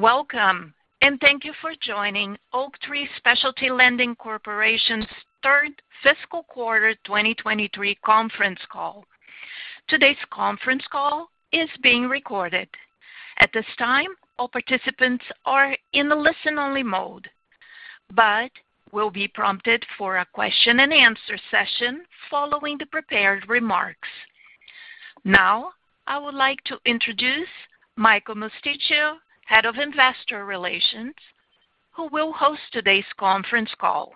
Welcome, and thank you for joining Oaktree Specialty Lending Corporation's third fiscal quarter 2023 conference call. Today's conference call is being recorded. At this time, all participants are in a listen-only mode, but will be prompted for a question-and-answer session following the prepared remarks. Now, I would like to introduce Michael Mosticchio, Head of Investor Relations, who will host today's conference call.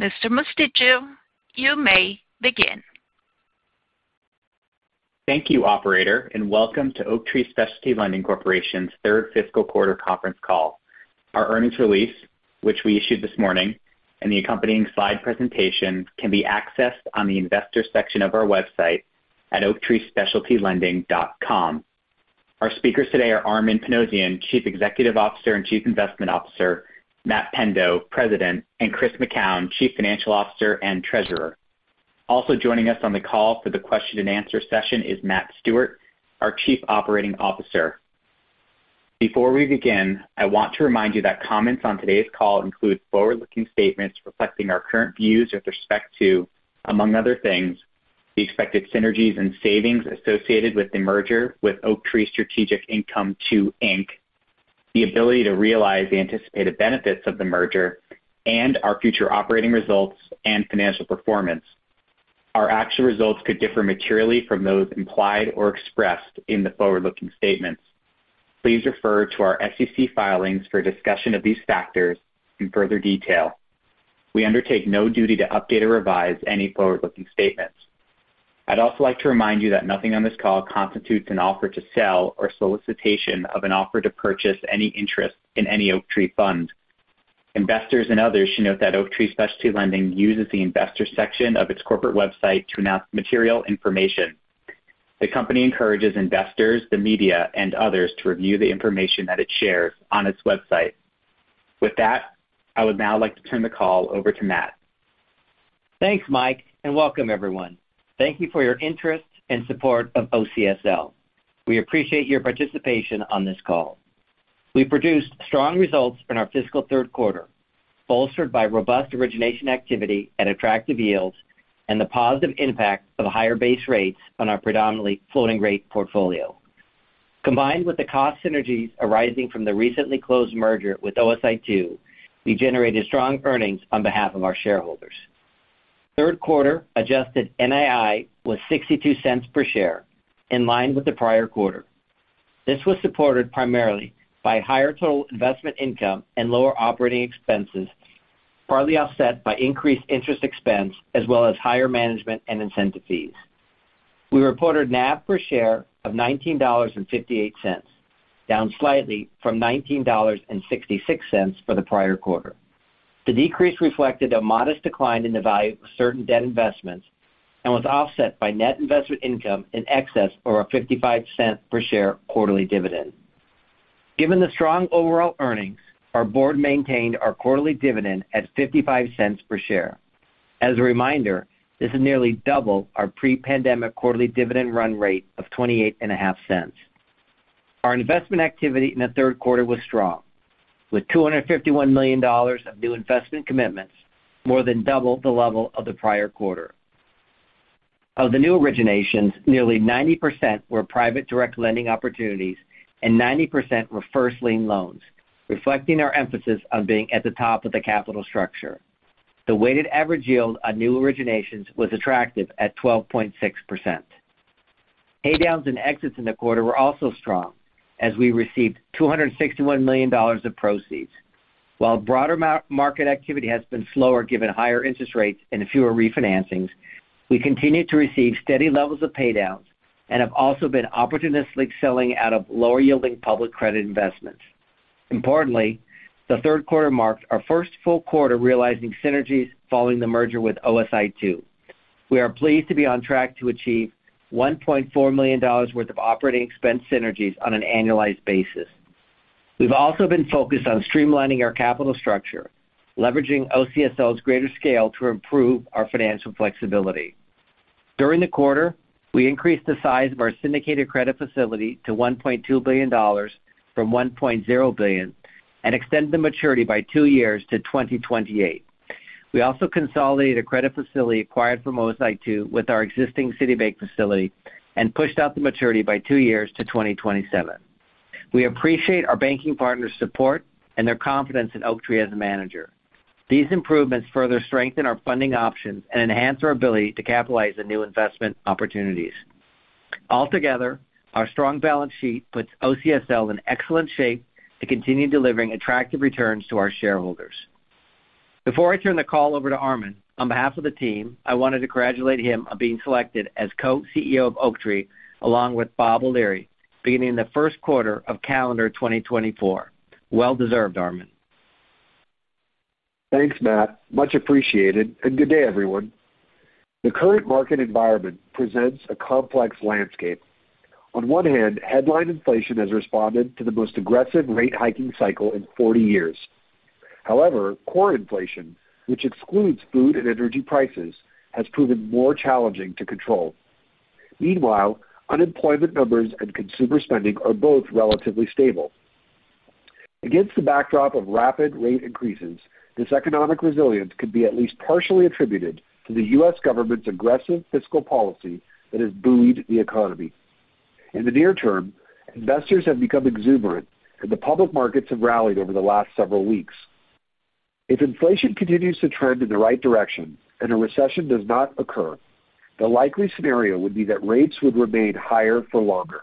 Mr. Mosticchio, you may begin. Thank you, operator, and welcome to Oaktree Specialty Lending Corporation's third fiscal quarter conference call. Our earnings release, which we issued this morning, and the accompanying slide presentation, can be accessed on the investor section of our website at oaktreespecialtylending.com. Our speakers today are Armen Panossian, Chief Executive Officer and Chief Investment Officer; Matt Pendo, President; and Chris McKown, Chief Financial Officer and Treasurer. Also joining us on the call for the question-and-answer session is Matt Stewart, our Chief Operating Officer. Before we begin, I want to remind you that comments on today's call include forward-looking statements reflecting our current views with respect to, among other things, the expected synergies and savings associated with the merger with Oaktree Strategic Income II, Inc., the ability to realize the anticipated benefits of the merger, and our future operating results and financial performance. Our actual results could differ materially from those implied or expressed in the forward-looking statements. Please refer to our SEC filings for a discussion of these factors in further detail. We undertake no duty to update or revise any forward-looking statements. I'd also like to remind you that nothing on this call constitutes an offer to sell or solicitation of an offer to purchase any interest in any Oaktree fund. Investors and others should note that Oaktree Specialty Lending uses the investor section of its corporate website to announce material information. The company encourages investors, the media, and others to review the information that it shares on its website. With that, I would now like to turn the call over to Matt. Thanks, Mike. Welcome everyone. Thank you for your interest and support of OCSL. We appreciate your participation on this call. We produced strong results in our fiscal third quarter, bolstered by robust origination activity and attractive yields and the positive impact of higher base rates on our predominantly floating-rate portfolio. Combined with the cost synergies arising from the recently closed merger with OSI II, we generated strong earnings on behalf of our shareholders. Third quarter adjusted NII was $0.62 per share, in line with the prior quarter. This was supported primarily by higher total investment income and lower operating expenses, partly offset by increased interest expense, as well as higher management and incentive fees. We reported NAV per share of $19.58, down slightly from $19.66 for the prior quarter. The decrease reflected a modest decline in the value of certain debt investments and was offset by net investment income in excess or a $0.55 per share quarterly dividend. Given the strong overall earnings, our board maintained our quarterly dividend at $0.55 per share. As a reminder, this is nearly double our pre-pandemic quarterly dividend run rate of $0.285. Our investment activity in the third quarter was strong, with $251 million of new investment commitments, more than double the level of the prior quarter. Of the new originations, nearly 90% were private direct lending opportunities and 90% were first-lien loans, reflecting our emphasis on being at the top of the capital structure. The weighted average yield on new originations was attractive at 12.6%. Paydowns and exits in the quarter were also strong, as we received $261 million of proceeds. While broader market activity has been slower, given higher interest rates and fewer refinancings, we continue to receive steady levels of paydowns and have also been opportunistically selling out of lower-yielding public credit investments. Importantly, the third quarter marked our first full quarter realizing synergies following the merger with OSI II. We are pleased to be on track to achieve $1.4 million worth of operating expense synergies on an annualized basis. We've also been focused on streamlining our capital structure, leveraging OCSL's greater scale to improve our financial flexibility. During the quarter, we increased the size of our syndicated credit facility to $1.2 billion from $1.0 billion and extended the maturity by two years to 2028. We also consolidated a credit facility acquired from OSI II with our existing Citibank facility and pushed out the maturity by two years to 2027. We appreciate our banking partners' support and their confidence in Oaktree as a manager. These improvements further strengthen our funding options and enhance our ability to capitalize on new investment opportunities. Altogether, our strong balance sheet puts OCSL in excellent shape to continue delivering attractive returns to our shareholders. Before I turn the call over to Armen, on behalf of the team, I wanted to congratulate him on being selected as co-CEO of Oaktree, along with Bob O'Leary, beginning the first quarter of calendar 2024. Well deserved, Armen. Thanks, Matt. Much appreciated, and good day, everyone. The current market environment presents a complex landscape. On one hand, headline inflation has responded to the most aggressive rate hiking cycle in 40 years. However, core inflation, which excludes food and energy prices, has proven more challenging to control. Meanwhile, unemployment numbers and consumer spending are both relatively stable. Against the backdrop of rapid rate increases, this economic resilience could be at least partially attributed to the U.S. government's aggressive fiscal policy that has buoyed the economy. In the near term, investors have become exuberant, and the public markets have rallied over the last several weeks. If inflation continues to trend in the right direction and a recession does not occur, the likely scenario would be that rates would remain higher for longer.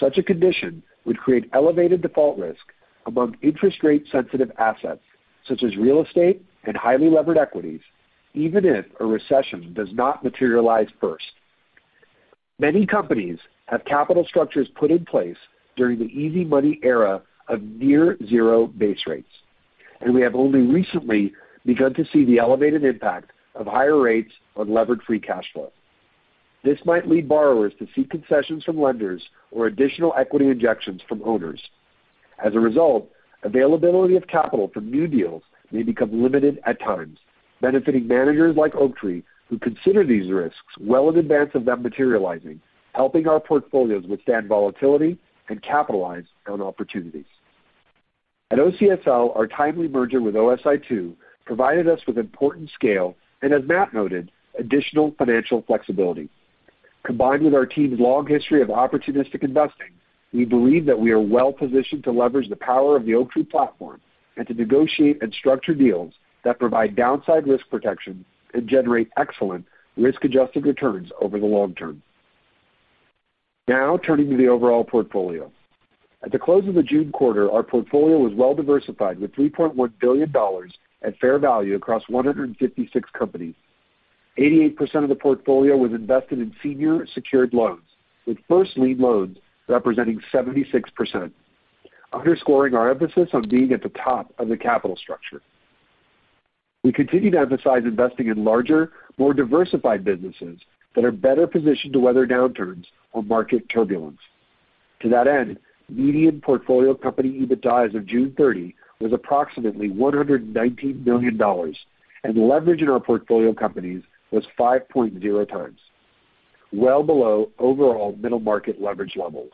Such a condition would create elevated default risk among interest rate-sensitive assets, such as real estate and highly levered equities, even if a recession does not materialize first. Many companies have capital structures put in place during the easy money era of near zero base rates, and we have only recently begun to see the elevated impact of higher rates on levered free cash flow. This might lead borrowers to seek concessions from lenders or additional equity injections from owners. As a result, availability of capital for new deals may become limited at times, benefiting managers like Oaktree, who consider these risks well in advance of them materializing, helping our portfolios withstand volatility and capitalize on opportunities. At OCSL, our timely merger with OSI II provided us with important scale, and as Matt noted, additional financial flexibility. Combined with our team's long history of opportunistic investing, we believe that we are well positioned to leverage the power of the Oaktree platform and to negotiate and structure deals that provide downside risk protection and generate excellent risk-adjusted returns over the long term. Now, turning to the overall portfolio. At the close of the June quarter, our portfolio was well diversified, with $3.1 billion at fair value across 156 companies. 88% of the portfolio was invested in senior secured loans, with first-lien loans representing 76%, underscoring our emphasis on being at the top of the capital structure. We continue to emphasize investing in larger, more diversified businesses that are better positioned to weather downturns or market turbulence. To that end, median portfolio company EBITDA as of June 30 was approximately $119 million, and leverage in our portfolio companies was 5.0x, well below overall middle market leverage levels.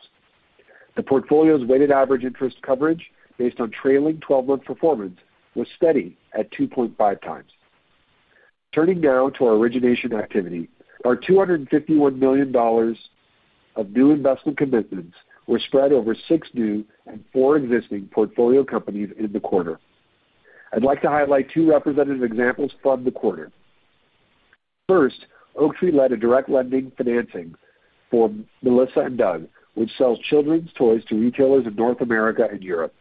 The portfolio's weighted average interest coverage, based on trailing 12-month performance, was steady at 2.5x. Turning now to our origination activity. Our $251 million of new investment commitments were spread over six new and four existing portfolio companies in the quarter. I'd like to highlight two representative examples from the quarter. First, Oaktree led a direct lending financing for Melissa & Doug, which sells children's toys to retailers in North America and Europe.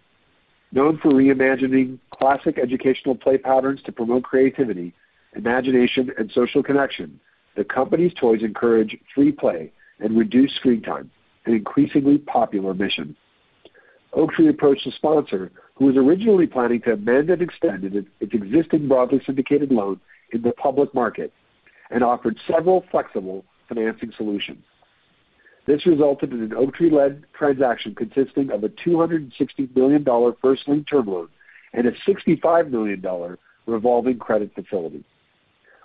Known for reimagining classic educational play patterns to promote creativity, imagination, and social connection, the company's toys encourage free play and reduce screen time, an increasingly popular mission. Oaktree approached the sponsor, who was originally planning to amend and extend its existing broadly syndicated loan in the public market and offered several flexible financing solutions. This resulted in an Oaktree-led transaction consisting of a $260 million first-lien term loan and a $65 million revolving credit facility.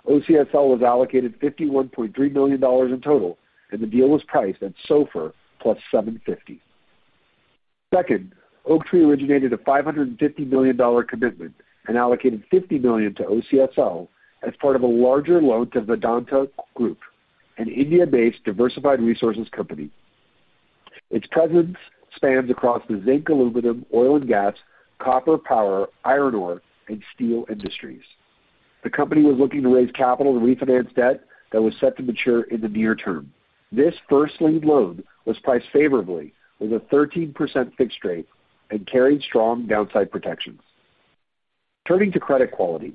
OCSL was allocated $51.3 million in total, and the deal was priced at SOFR plus 750. Oaktree originated a $550 million commitment and allocated $50 million to OCSL as part of a larger loan to Vedanta Group, an India-based diversified resources company. Its presence spans across the zinc, aluminum, oil and gas, copper, power, iron ore, and steel industries. The company was looking to raise capital to refinance debt that was set to mature in the near term. This first-lien loan was priced favorably with a 13% fixed rate and carried strong downside protections. Turning to credit quality,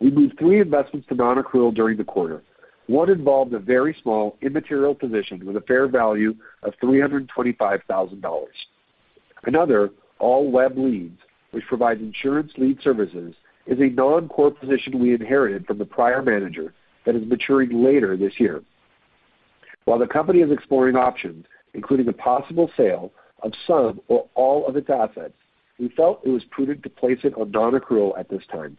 we moved three investments to nonaccrual during the quarter. One involved a very small, immaterial position with a fair value of $325,000. Another, All Web Leads, which provides insurance lead services, is a non-core position we inherited from the prior manager that is maturing later this year. While the company is exploring options, including the possible sale of some or all of its assets, we felt it was prudent to place it on nonaccrual at this time.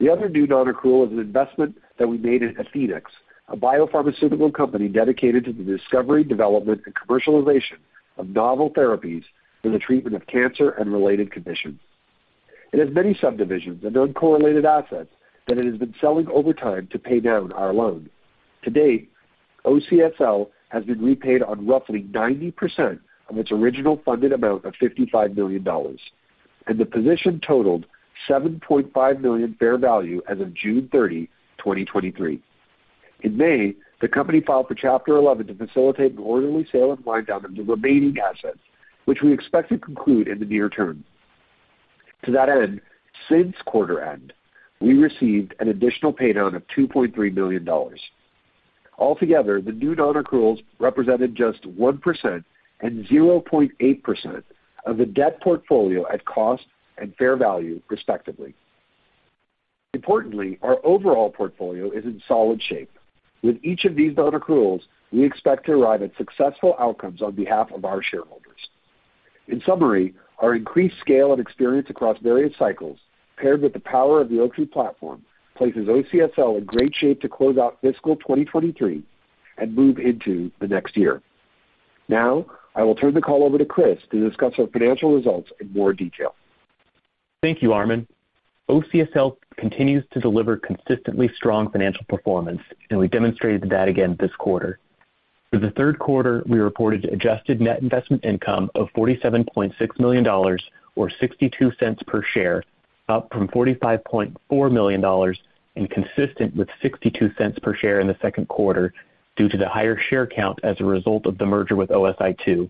The other new nonaccrual is an investment that we made in Athenex, a biopharmaceutical company dedicated to the discovery, development, and commercialization of novel therapies for the treatment of cancer and related conditions. It has many subdivisions and uncorrelated assets that it has been selling over time to pay down our loan. Today, OCSL has been repaid on roughly 90% of its original funded amount of $55 million, and the position totaled $7.5 million fair value as of June 30, 2023. In May, the company filed for Chapter 11 to facilitate an orderly sale and wind down of the remaining assets, which we expect to conclude in the near term. To that end, since quarter end, we received an additional paydown of $2.3 million. Altogether, the new non-accruals represented just 1% and 0.8% of the debt portfolio at cost and fair value, respectively. Importantly, our overall portfolio is in solid shape. With each of these non-accruals, we expect to arrive at successful outcomes on behalf of our shareholders. In summary, our increased scale and experience across various cycles, paired with the power of the Oaktree platform, places OCSL in great shape to close out fiscal 2023 and move into the next year. Now, I will turn the call over to Chris to discuss our financial results in more detail. Thank you, Armen. OCSL continues to deliver consistently strong financial performance. We demonstrated that again this quarter. For the third quarter, we reported adjusted net investment income of $47.6 million, or $0.62 per share, up from $45.4 million and consistent with $0.62 per share in the second quarter due to the higher share count as a result of the merger with OSI II.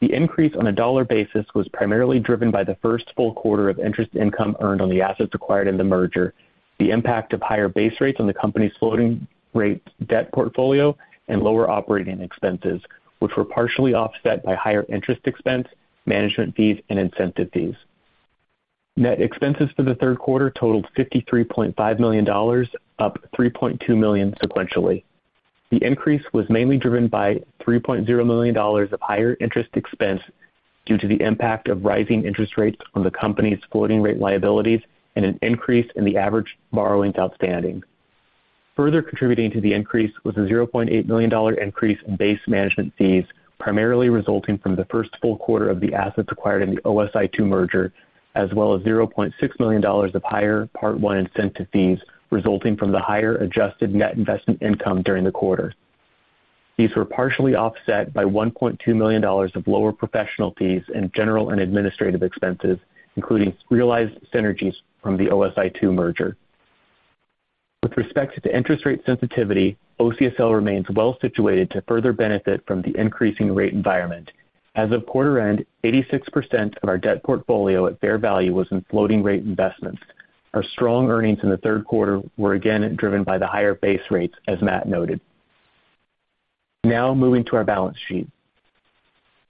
The increase on a dollar basis was primarily driven by the first full quarter of interest income earned on the assets acquired in the merger, the impact of higher base rates on the company's floating-rate debt portfolio, and lower operating expenses, which were partially offset by higher interest expense, management fees, and incentive fees. Net expenses for the third quarter totaled $53.5 million, up $3.2 million sequentially. The increase was mainly driven by $3.0 million of higher interest expense due to the impact of rising interest rates on the company's floating-rate liabilities and an increase in the average borrowings outstanding. Further contributing to the increase was a $0.8 million increase in base management fees, primarily resulting from the first full quarter of the assets acquired in the OSI II merger, as well as $0.6 million of higher Part One incentive fees, resulting from the higher adjusted net investment income during the quarter. These were partially offset by $1.2 million of lower professional fees and general and administrative expenses, including realized synergies from the OSI II merger. With respect to interest rate sensitivity, OCSL remains well situated to further benefit from the increasing rate environment. As of quarter end, 86% of our debt portfolio at fair value was in floating-rate investments. Our strong earnings in the third quarter were again driven by the higher base rates, as Matt noted. Moving to our balance sheet.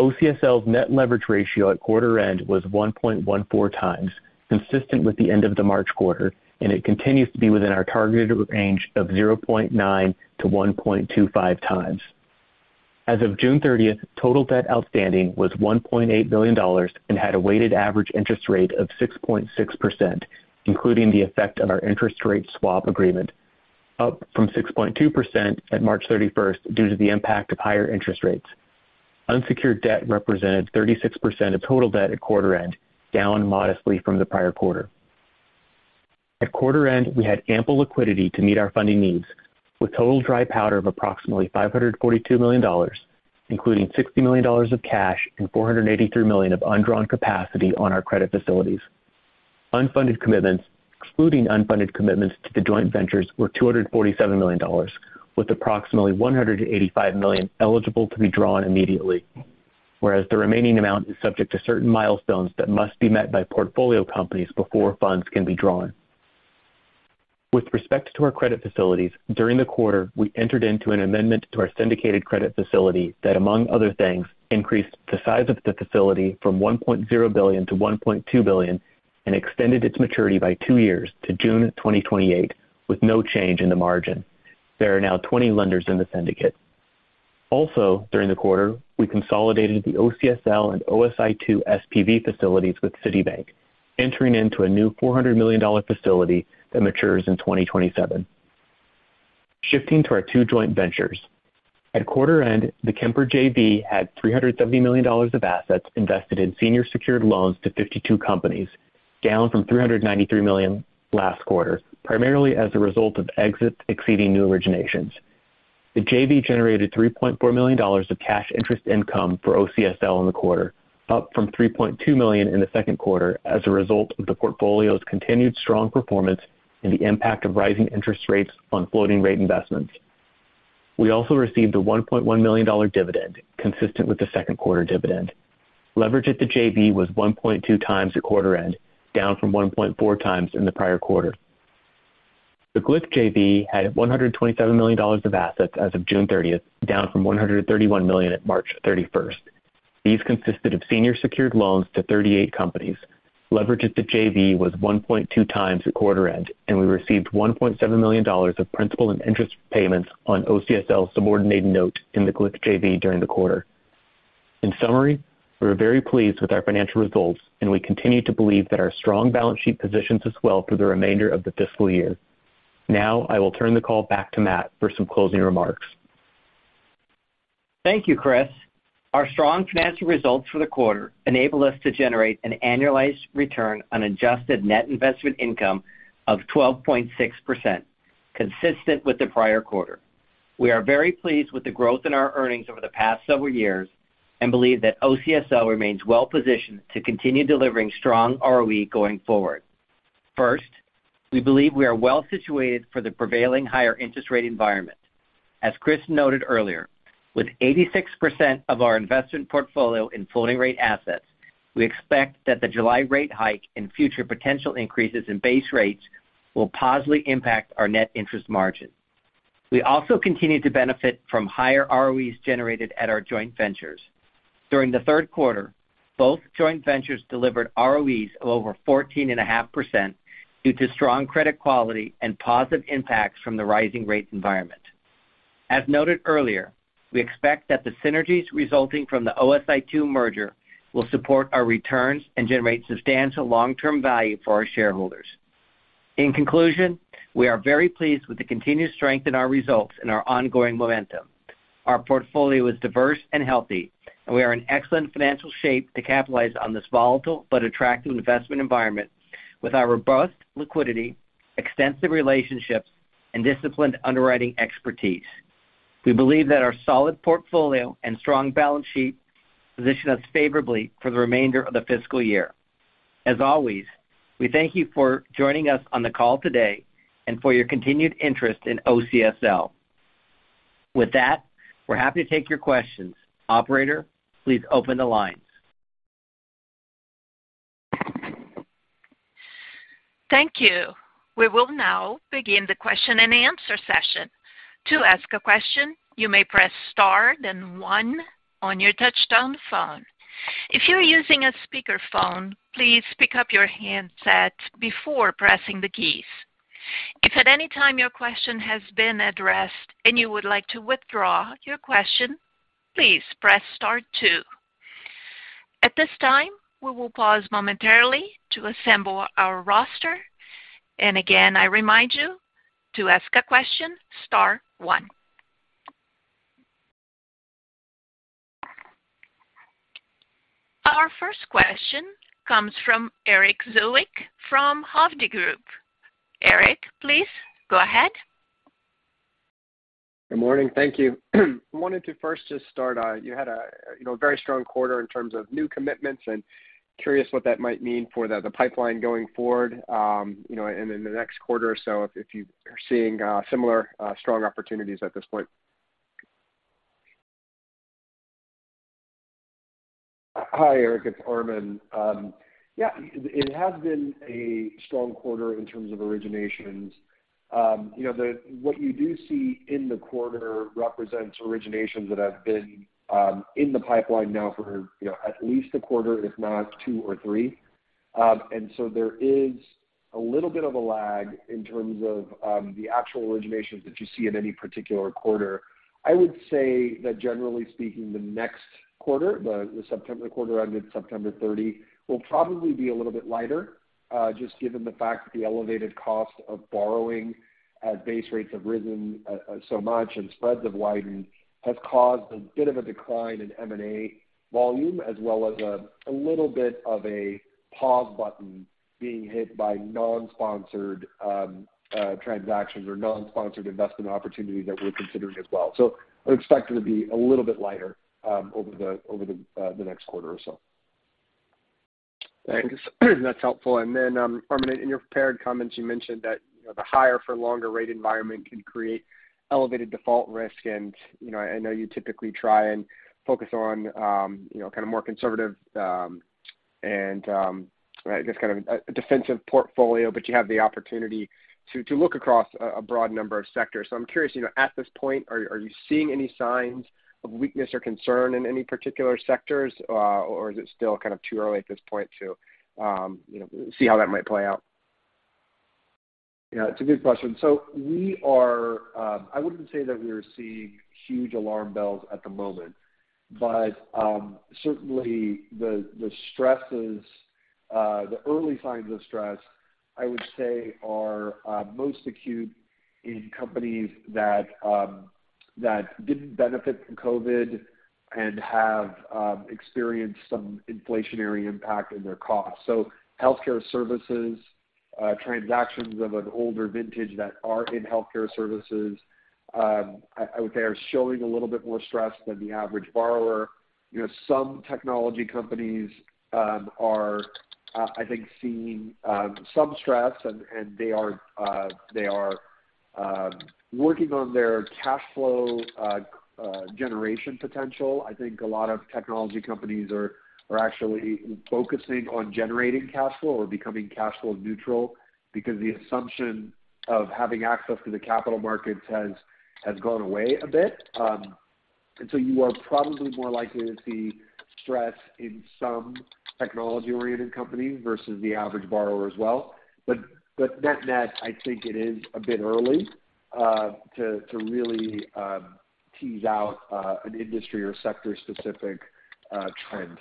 OCSL's net leverage ratio at quarter end was 1.14x, consistent with the end of the March quarter, and it continues to be within our targeted range of 0.9x-1.25x. As of June 30, total debt outstanding was $1.8 billion and had a weighted average interest rate of 6.6%, including the effect of our interest rate swap agreement, up from 6.2% at March 31 due to the impact of higher interest rates. Unsecured debt represented 36% of total debt at quarter end, down modestly from the prior quarter. At quarter end, we had ample liquidity to meet our funding needs with total dry powder of approximately $542 million, including $60 million of cash and $483 million of undrawn capacity on our credit facilities. Unfunded commitments, excluding unfunded commitments to the joint ventures, were $247 million, with approximately $185 million eligible to be drawn immediately, whereas the remaining amount is subject to certain milestones that must be met by portfolio companies before funds can be drawn. With respect to our credit facilities, during the quarter, we entered into an amendment to our syndicated credit facility that, among other things, increased the size of the facility from $1.0 billion-$1.2 billion and extended its maturity by two years to June 2028, with no change in the margin. There are now 20 lenders in the syndicate. During the quarter, we consolidated the OCSL and OSI II SPV facilities with Citibank, entering into a new $400 million facility that matures in 2027. Shifting to our two joint ventures. At quarter end, the Kemper JV had $370 million of assets invested in senior secured loans to 52 companies, down from $393 million last quarter, primarily as a result of exits exceeding new originations. The JV generated $3.4 million of cash interest income for OCSL in the quarter, up from $3.2 million in the second quarter as a result of the portfolio's continued strong performance and the impact of rising interest rates on floating-rate investments. We also received a $1.1 million dividend, consistent with the second quarter dividend. Leverage at the JV was 1.2x at quarter end, down from 1.4x in the prior quarter. The GLIC JV had $127 million of assets as of June 30th, down from $131 million at March 31st. These consisted of senior secured loans to 38 companies. Leverage at the JV was 1.2x at quarter end, and we received $1.7 million of principal and interest payments on OCSL's subordinated note in the Glick JV during the quarter. In summary, we are very pleased with our financial results, and we continue to believe that our strong balance sheet positions us well through the remainder of the fiscal year. Now I will turn the call back to Matt for some closing remarks. Thank you, Chris. Our strong financial results for the quarter enable us to generate an annualized return on adjusted net investment income of 12.6%, consistent with the prior quarter. We are very pleased with the growth in our earnings over the past several years and believe that OCSL remains well positioned to continue delivering strong ROE going forward. First, we believe we are well situated for the prevailing higher interest rate environment. As Chris noted earlier, with 86% of our investment portfolio in floating-rate assets, we expect that the July rate hike and future potential increases in base rates will positively impact our net interest margin. We also continue to benefit from higher ROEs generated at our joint ventures. During the third quarter, both joint ventures delivered ROEs of over 14.5% due to strong credit quality and positive impacts from the rising rate environment. As noted earlier, we expect that the synergies resulting from the OSI II merger will support our returns and generate substantial long-term value for our shareholders. In conclusion, we are very pleased with the continued strength in our results and our ongoing momentum. Our portfolio is diverse and healthy, and we are in excellent financial shape to capitalize on this volatile but attractive investment environment with our robust liquidity, extensive relationships, and disciplined underwriting expertise. We believe that our solid portfolio and strong balance sheet position us favorably for the remainder of the fiscal year. As always, we thank you for joining us on the call today and for your continued interest in OCSL. With that, we're happy to take your questions. Operator, please open the lines. Thank you. We will now begin the question-and-answer session. To ask a question, you may press Star then One on your touchtone phone. If you're using a speakerphone, please pick up your handset before pressing the keys. If at any time your question has been addressed and you would like to withdraw your question, please press Star Two. At this time, we will pause momentarily to assemble our roster. Again, I remind you to ask a question, Star One. Our first question comes from Erik Zwick from Hovde Group. Erik, please go ahead. Good morning. Thank you. I wanted to first just start, you had a, you know, very strong quarter in terms of new commitments. Curious what that might mean for the pipeline going forward, you know, and in the next quarter or so, if you are seeing similar strong opportunities at this point? Hi, Erik, it's Armen. Yeah, it, it has been a strong quarter in terms of originations. You know, what you do see in the quarter represents originations that have been, in the pipeline now for, you know, at least a quarter, if not two or three. There is a little bit of a lag in terms of, the actual originations that you see in any particular quarter. I would say that generally speaking, the next quarter, the September quarter ended September 30, will probably be a little bit lighter, just given the fact that the elevated cost of borrowing as base rates have risen, so much and spreads have widened, has caused a bit of a decline in M&A volume, as well as a little bit of a pause button being hit by non-sponsored transactions or non-sponsored investment opportunities that we're considering as well. So I would expect it to be a little bit lighter, over the, over the next quarter or so. Thanks. That's helpful. Then, Armen Panossian, in your prepared comments, you mentioned that, you know, the higher for longer rate environment can create elevated default risk. You know, I know you typically try and focus on, you know, kind of more conservative, and, I guess kind of a, a defensive portfolio, but you have the opportunity to, to look across a, a broad number of sectors. I'm curious, you know, at this point, are, are you seeing any signs of weakness or concern in any particular sectors? Or is it still kind of too early at this point to, you know, see how that might play out? Yeah, it's a good question. We are... I wouldn't say that we are seeing huge alarm bells at the moment, but certainly the stresses, the early signs of stress, I would say, are most acute in companies that didn't benefit from COVID and have experienced some inflationary impact in their costs. Healthcare services, transactions of an older vintage that are in healthcare services, I, I would say are showing a little bit more stress than the average borrower. You know, some technology companies are, I think seeing some stress, and they are, they are working on their cash flow generation potential. I think a lot of technology companies are, are actually focusing on generating cash flow or becoming cash flow neutral because the assumption of having access to the capital markets has, has gone away a bit. You are probably more likely to see stress in some technology-oriented companies versus the average borrower as well. Net-net, I think it is a bit early to, to really tease out an industry or sector-specific trend.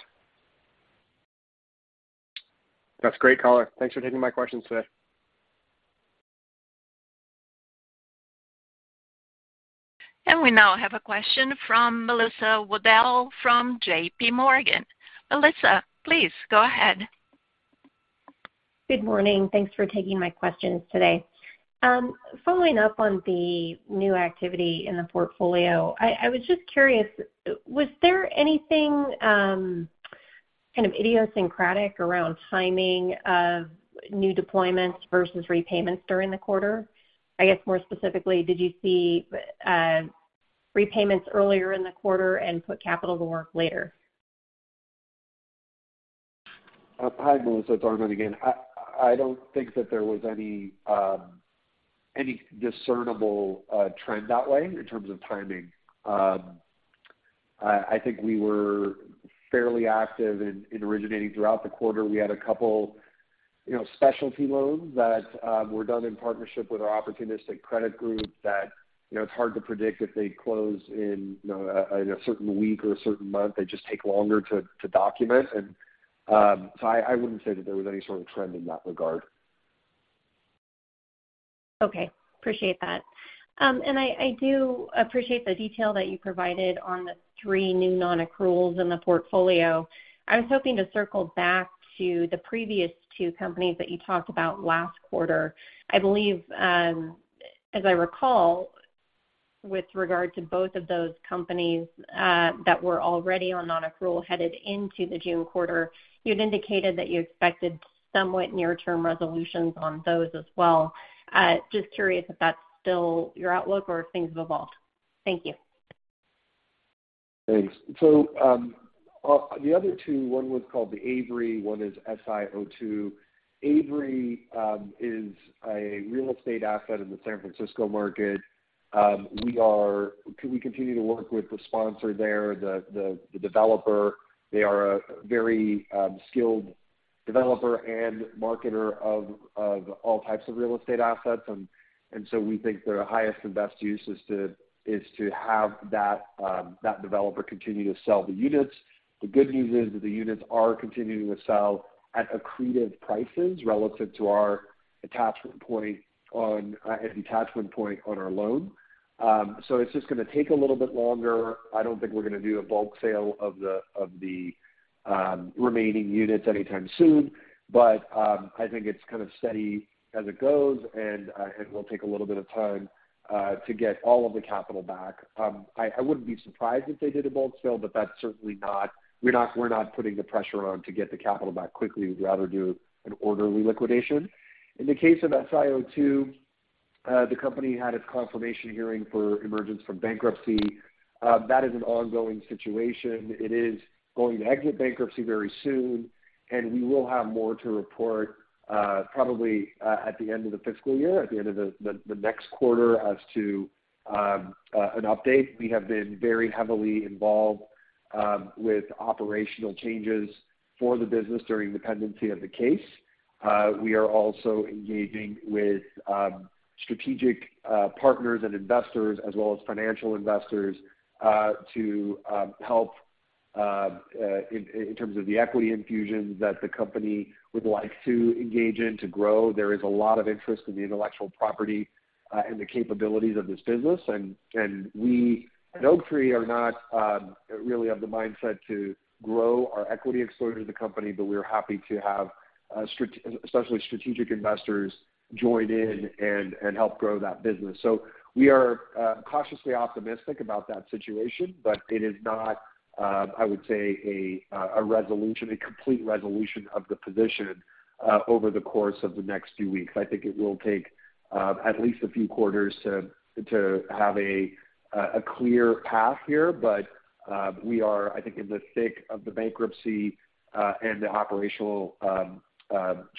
That's great, color. Thanks for taking my questions today. We now have a question from Melissa Wedel, from JP Morgan. Melissa, please go ahead. Good morning. Thanks for taking my questions today. Following up on the new activity in the portfolio, I was just curious, was there anything kind of idiosyncratic around timing of new deployments versus repayments during the quarter? I guess, more specifically, did you see repayments earlier in the quarter and put capital to work later?... Hi, Melissa, it's Armen again. I, I don't think that there was any, any discernible, trend that way in terms of timing. I, I think we were fairly active in, in originating throughout the quarter. We had a couple, you know, specialty loans that, were done in partnership with our opportunistic credit group that, you know, it's hard to predict if they close in, you know, a certain week or a certain month. They just take longer to, to document. I, I wouldn't say that there was any sort of trend in that regard. Okay. Appreciate that. I, I do appreciate the detail that you provided on the three new non-accruals in the portfolio. I was hoping to circle back to the previous two companies that you talked about last quarter. I believe, as I recall, with regard to both of those companies, that were already on non-accrual headed into the June quarter, you'd indicated that you expected somewhat near-term resolutions on those as well. Just curious if that's still your outlook or if things have evolved. Thank you. Thanks. The other two, one was called the Avery, one is SIO2. Avery is a real estate asset in the San Francisco market. We continue to work with the sponsor there, the developer. They are a very skilled developer and marketer of all types of real estate assets. We think their highest and best use is to have that developer continue to sell the units. The good news is that the units are continuing to sell at accretive prices relative to our attachment point on our loan. It's just gonna take a little bit longer. I don't think we're gonna do a bulk sale of the, of the, remaining units anytime soon. I think it's kind of steady as it goes, and it will take a little bit of time to get all of the capital back. I, I wouldn't be surprised if they did a bulk sale, but that's certainly not- we're not, we're not putting the pressure on to get the capital back quickly. We'd rather do an orderly liquidation. In the case of SIO2, the company had its confirmation hearing for emergence from bankruptcy. That is an ongoing situation. It is going to exit bankruptcy very soon, and we will have more to report, probably, at the end of the fiscal year, at the end of the next quarter as to an update. We have been very heavily involved with operational changes for the business during the pendency of the case. We are also engaging with strategic partners and investors, as well as financial investors, to help in terms of the equity infusions that the company would like to engage in to grow. There is a lot of interest in the intellectual property and the capabilities of this business. We at Oaktree are not really of the mindset to grow our equity exposure to the company, but we're happy to have especially strategic investors join in and help grow that business. We are cautiously optimistic about that situation, but it is not, I would say, a complete resolution of the position over the course of the next few weeks. I think it will take at least a few quarters to, to have a clear path here. We are, I think, in the thick of the bankruptcy and the operational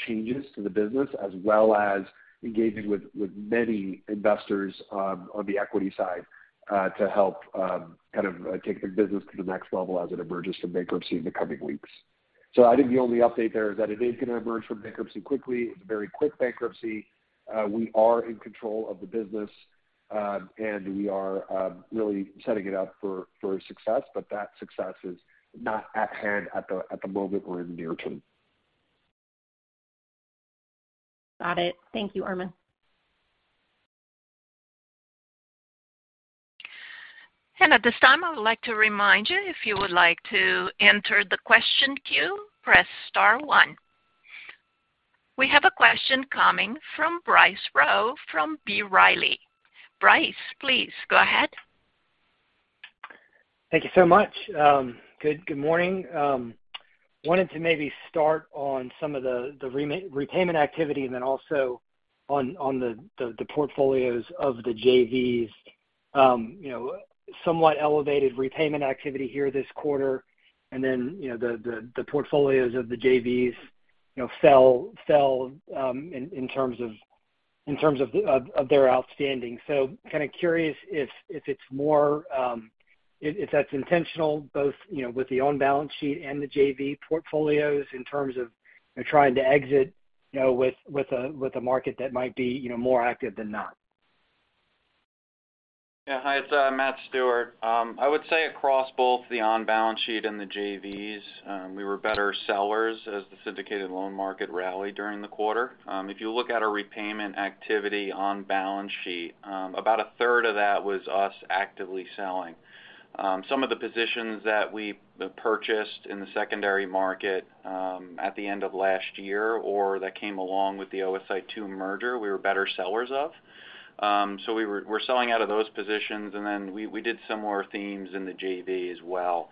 changes to the business, as well as engaging with, with many investors on the equity side to help kind of take the business to the next level as it emerges from bankruptcy in the coming weeks. I think the only update there is that it is gonna emerge from bankruptcy quickly. It's a very quick bankruptcy. We are in control of the business and we are really setting it up for, for success, but that success is not at hand at the, at the moment or in the near term. Got it. Thank you, Armen. At this time, I would like to remind you, if you would like to enter the question queue, press star one. We have a question coming from Bryce Rowe from B. Riley. Bryce, please go ahead. Thank you so much. Good, good morning. Wanted to maybe start on some of the repayment activity and then also on the portfolios of the JVs. You know, somewhat elevated repayment activity here this quarter, and then, you know, the portfolios of the JVs, you know, fell, in, in terms of, in terms of the, of, of their outstanding. Kind of curious if it's more, if, if that's intentional, both, you know, with the on-balance sheet and the JV portfolios in terms of trying to exit, you know, with, with a, with a market that might be, you know, more active than not? Yeah. Hi, it's Matthew Stewart. I would say across both the on-balance sheet and the JVs, we were better sellers as the syndicated loan market rallied during the quarter. If you look at our repayment activity on balance sheet, about a third of that was us actively selling. Some of the positions that we purchased in the secondary market, at the end of last year, or that came along with the OSI II merger, we were better sellers of. We were- we're selling out of those positions, and then we, we did some more themes in the JV as well,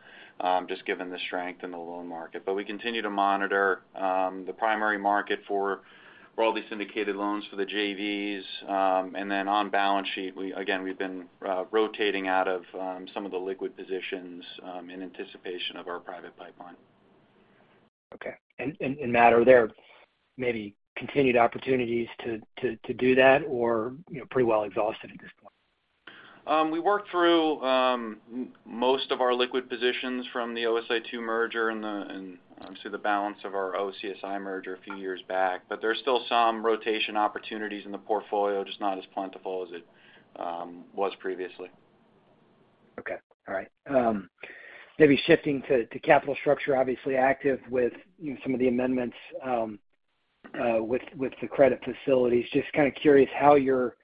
just given the strength in the loan market. We continue to monitor the primary market for all these syndicated loans for the JVs. On balance sheet, again, we've been rotating out of some of the liquid positions in anticipation of our private pipeline.... Okay. Matt, are there maybe continued opportunities to, to, to do that, or, you know, pretty well exhausted at this point? We worked through most of our liquid positions from the OSI II merger and the, and obviously, the balance of our OCSL merger a few years back. There's still some rotation opportunities in the portfolio, just not as plentiful as it was previously. Okay. All right. maybe shifting to, to capital structure, obviously active with, you know, some of the amendments, with, with the credit facilities. Just kind of curious how you're,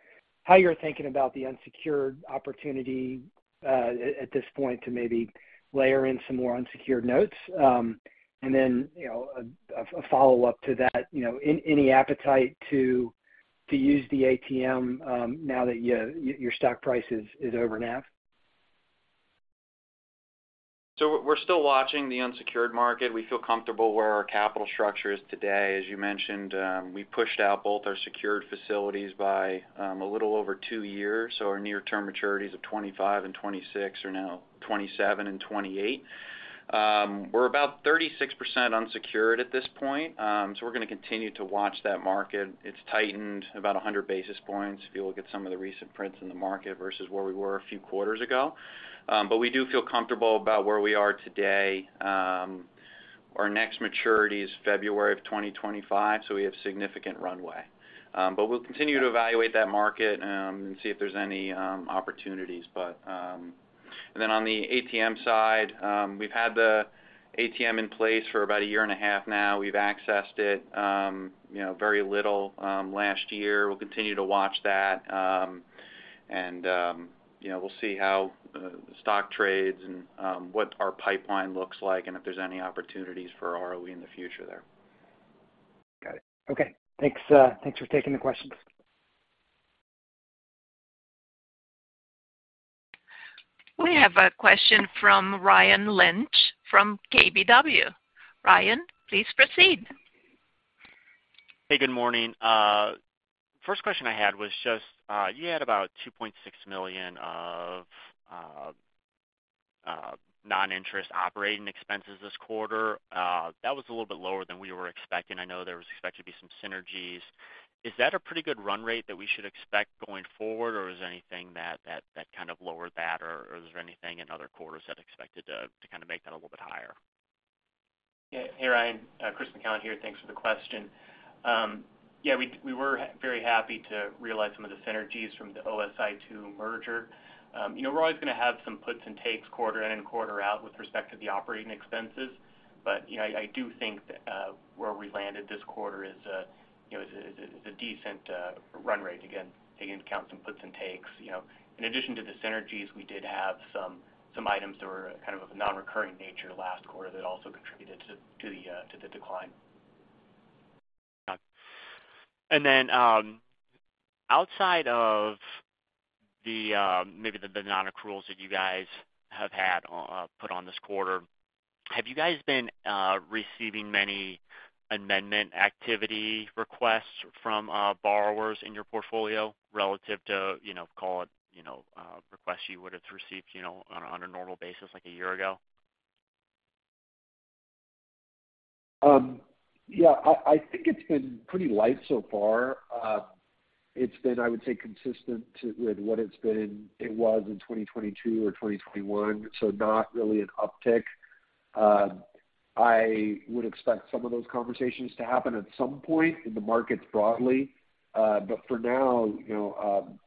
how you're thinking about the unsecured opportunity, at, at this point to maybe layer in some more unsecured notes. Then, you know, a, a follow-up to that, you know, any, any appetite to, to use the ATM, now that your, your stock price is, is over NAV? We're, we're still watching the unsecured market. We feel comfortable where our capital structure is today. As you mentioned, we pushed out both our secured facilities by a little over two years, so our near-term maturities of 25 and 26 are now 27 and 28. We're about 36% unsecured at this point, so we're gonna continue to watch that market. It's tightened about 100 basis points if you look at some of the recent prints in the market versus where we were a few quarters ago. We do feel comfortable about where we are today. Our next maturity is February of 2025, so we have significant runway. We'll continue to evaluate that market, and see if there's any opportunities. On the ATM side, we've had the ATM in place for about a year and a half now. We've accessed it, you know, very little last year. We'll continue to watch that, and, you know, we'll see how the stock trades and what our pipeline looks like and if there's any opportunities for ROE in the future there. Got it. Okay, thanks, thanks for taking the questions. We have a question from Ryan Lynch from KBW. Ryan, please proceed. Hey, good morning. First question I had was just, you had about $2.6 million of non-interest operating expenses this quarter. That was a little bit lower than we were expecting. I know there was expected to be some synergies. Is that a pretty good run rate that we should expect going forward, or is there anything that, that, that kind of lowered that, or, or is there anything in other quarters that expected to, to kind of make that a little bit higher? Yeah. Hey, Ryan, Chris McKown here. Thanks for the question. Yeah, we, we were very happy to realize some of the synergies from the OSI II merger. You know, we're always gonna have some puts and takes quarter in and quarter out with respect to the operating expenses. You know, I, I do think that where we landed this quarter is a, you know, is a, is a decent run rate, again, taking into account some puts and takes, you know. In addition to the synergies, we did have some, some items that were kind of a nonrecurring nature last quarter that also contributed to, to the decline. Outside of the, maybe the nonaccruals that you guys have had, put on this quarter, have you guys been receiving many amendment activity requests from borrowers in your portfolio relative to, you know, call it, you know, requests you would have received, you know, on a, on a normal basis like a year ago? Yeah, I, I think it's been pretty light so far. It's been, I would say, consistent to -- with what it's been -- it was in 2022 or 2021, so not really an uptick. I would expect some of those conversations to happen at some point in the markets broadly. For now, you know,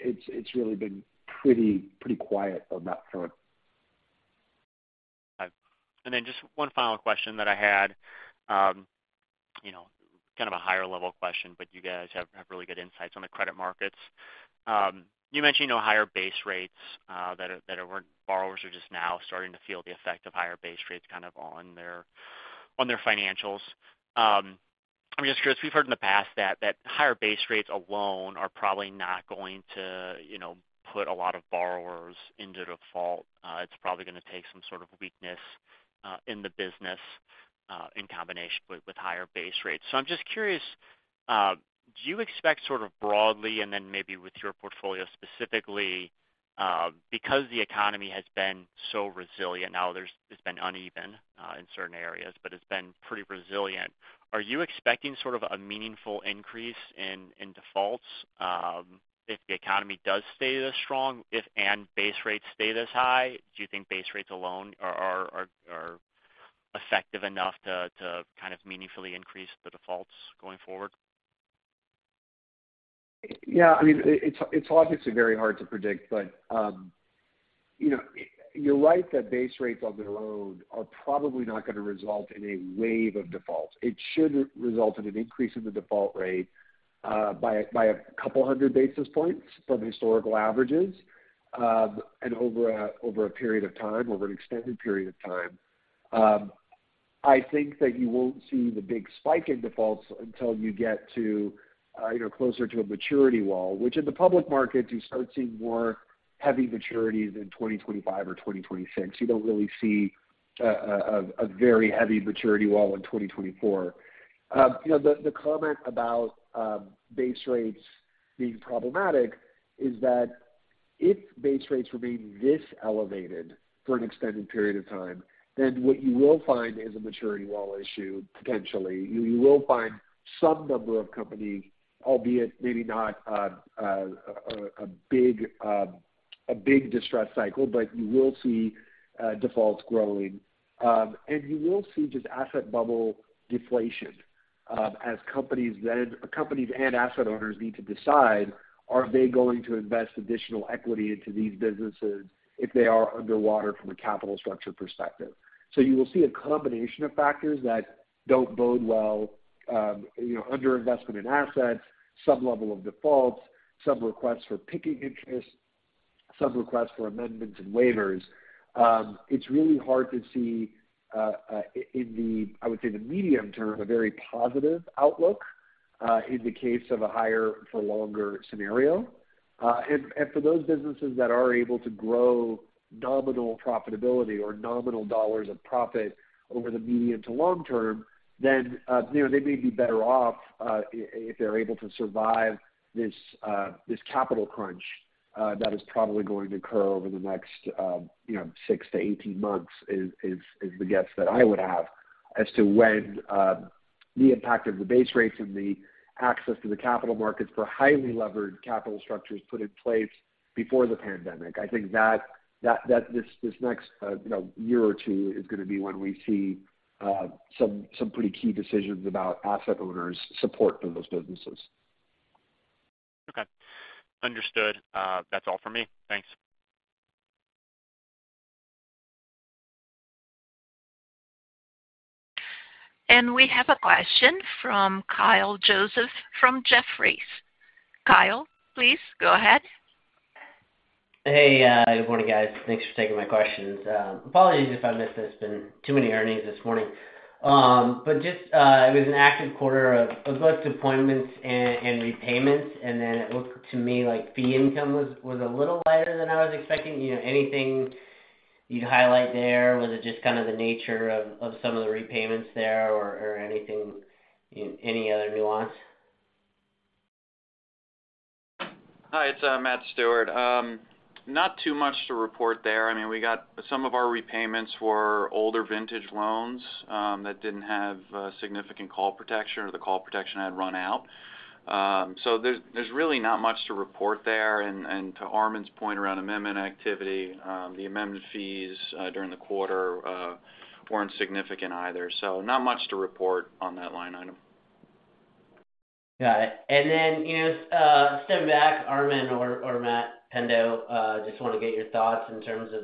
it's, it's really been pretty, pretty quiet on that front. Then just one final question that I had, you know, kind of a higher level question, but you guys have, have really good insights on the credit markets. You mentioned, you know, higher base rates, that are, that are-- borrowers are just now starting to feel the effect of higher base rates kind of on their, on their financials. I'm just curious, we've heard in the past that, that higher base rates alone are probably not going to, you know, put a lot of borrowers into default. It's probably gonna take some sort of weakness, in the business, in combination with, with higher base rates. I'm just curious, do you expect sort of broadly, and then maybe with your portfolio specifically, because the economy has been so resilient now, it's been uneven in certain areas, but it's been pretty resilient. Are you expecting sort of a meaningful increase in defaults, if the economy does stay this strong, and base rates stay this high? Do you think base rates alone are effective enough to kind of meaningfully increase the defaults going forward? Yeah, I mean, it's, it's obviously very hard to predict, but, you know, you're right that base rates on their own are probably not gonna result in a wave of defaults. It should result in an increase in the default rate by a couple hundred basis points from historical averages and over a period of time, over an extended period of time. I think that you won't see the big spike in defaults until you get to, you know, closer to a maturity wall, which in the public market, you start seeing more heavy maturities in 2025 or 2026. You don't really see a very heavy maturity wall in 2024. You know, the, the comment about base rates being problematic is that- If base rates remain this elevated for an extended period of time, then what you will find is a maturity wall issue, potentially. You will find some number of companies, albeit maybe not a big distressed cycle, but you will see defaults growing. You will see just asset bubble deflation as companies then- companies and asset owners need to decide, are they going to invest additional equity into these businesses if they are underwater from a capital structure perspective? You will see a combination of factors that don't bode well, you know, underinvestment in assets, some level of defaults, some requests for picking interest, some requests for amendments and waivers. It's really hard to see in the, I would say, the medium term, a very positive outlook in the case of a higher for longer scenario. For those businesses that are able to grow nominal profitability or nominal dollars of profit over the medium to long term, then, you know, they may be better off if they're able to survive this capital crunch that is probably going to occur over the next, you know, 6-18 months, is the guess that I would have as to when the impact of the base rates and the access to the capital markets for highly levered capital structures put in place before the pandemic. I think that this next, you know, year or two is gonna be when we see, some pretty key decisions about asset owners' support for those businesses. Okay. Understood. That's all for me. Thanks. We have a question from Kyle Joseph, from Jefferies. Kyle, please go ahead. Hey, good morning, guys. Thanks for taking my questions. Apologies if I missed this. Been too many earnings this morning. It was an active quarter of, of both appointments and, and repayments, and then it looked to me like fee income was, was a little lighter than I was expecting. You know, anything you'd highlight there? Was it just kind of the nature of, of some of the repayments there or, or anything, any other nuance? Hi, it's Matt Stewart. Not too much to report there. I mean, we got some of our repayments for older vintage loans that didn't have significant call protection, or the call protection had run out. So there's really not much to report there. To Armen's point around amendment activity, the amendment fees during the quarter weren't significant either. Not much to report on that line item. Got it. Then, you know, stepping back, Armen or Matt Pendo, just wanna get your thoughts in terms of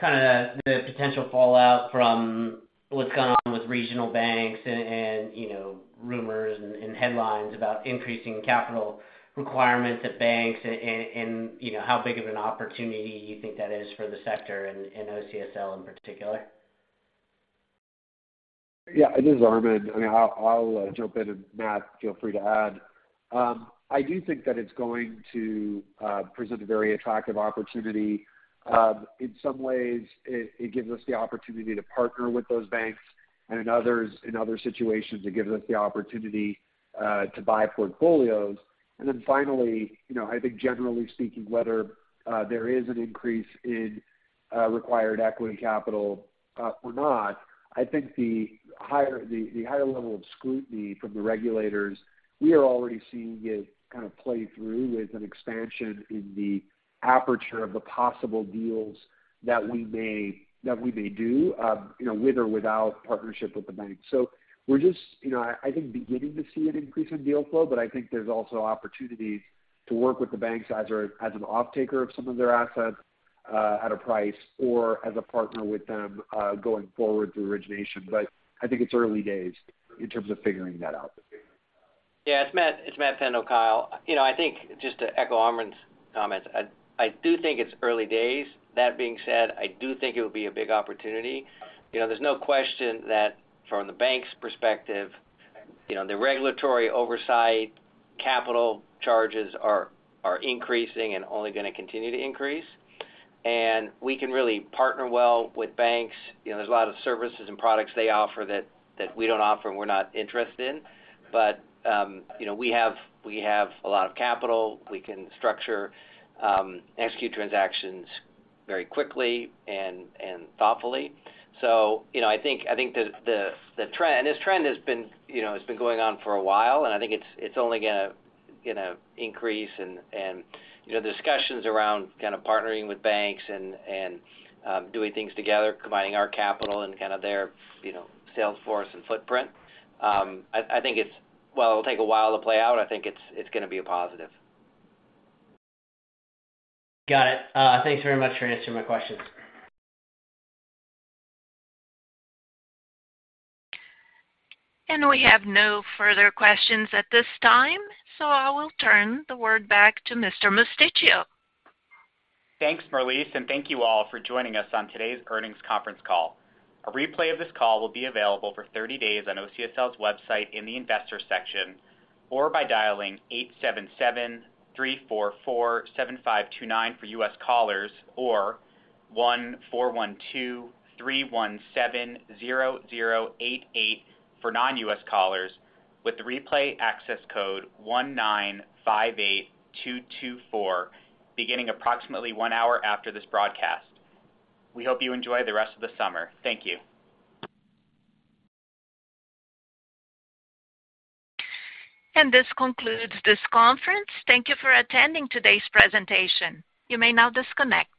kinda the potential fallout from what's going on with regional banks and, and, you know, rumors and, and headlines about increasing capital requirements at banks and, and, you know, how big of an opportunity you think that is for the sector and, and OCSL in particular? Yeah, it is Armen. I mean, I'll, I'll jump in, and Matt, feel free to add. I do think that it's going to present a very attractive opportunity. In some ways, it, it gives us the opportunity to partner with those banks, and in others, in other situations, it gives us the opportunity to buy portfolios. Finally, you know, I think generally speaking, whether there is an increase in required equity capital or not, I think the higher, the, the higher level of scrutiny from the regulators, we are already seeing it kind of play through with an expansion in the aperture of the possible deals that we may, that we may do, you know, with or without partnership with the bank. We're just, you know, I, I think, beginning to see an increase in deal flow, but I think there's also opportunities to work with the banks as a, as an off-taker of some of their assets, at a price or as a partner with them, going forward through origination. I think it's early days in terms of figuring that out. Yeah, it's Matt. It's Matthew Pendo, Kyle. You know, I think, just to echo Armen's comments, I, I do think it's early days. That being said, I do think it will be a big opportunity. You know, there's no question that from the bank's perspective, you know, the regulatory oversight, capital charges are, are increasing and only gonna continue to increase. We can really partner well with banks. You know, there's a lot of services and products they offer that, that we don't offer and we're not interested in. You know, we have, we have a lot of capital. We can structure, execute transactions very quickly and, and thoughtfully. You know, I think, I think this trend has been, you know, it's been going on for a while, and I think it's, it's only gonna, gonna increase. You know, the discussions around kind of partnering with banks and, and, doing things together, combining our capital and kind of their, you know, sales force and footprint, while it'll take a while to play out, I think it's, it's gonna be a positive. Got it. Thanks very much for answering my questions. We have no further questions at this time, so I will turn the word back to Mr. Mosticchio. Thanks, Marlice, and thank you all for joining us on today's earnings conference call. A replay of this call will be available for 30 days on OCSL's website in the Investor section, or by dialing 877-344-7529 for U.S. callers, or 1-412-317-0088 for non-U.S. callers, with the replay access code 1958224, beginning approximately 1 hour after this broadcast. We hope you enjoy the rest of the summer. Thank you. This concludes this conference. Thank you for attending today's presentation. You may now disconnect.